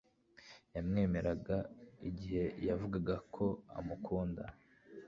yamwemeraga igihe yavugaga ko amukunda